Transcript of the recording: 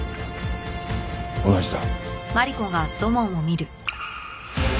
同じだ。